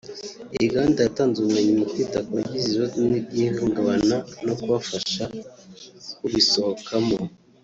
iyi gahunda yatanze ubumenyi mu kwita ku bagize ibibazo b’ihungabana no kubafasha kubisohokamo